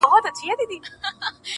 ورځو کډه کړې ده اسمان ګوري کاږه ورته!.